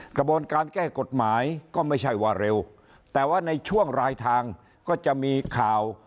กระบวนการแก้กฎหมายก็ไม่ใช่ว่าเร็วแต่ว่าในช่วงรายทางก็จะมีข่าว